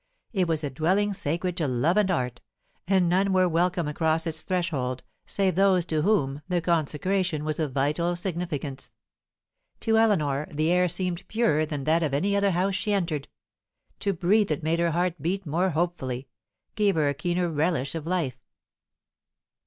It was a dwelling sacred to love and art, and none were welcome across its threshold save those to whom the consecration was of vital significance. To Eleanor the air seemed purer than that of any other house she entered; to breathe it made her heart beat more hopefully, gave her a keener relish of life.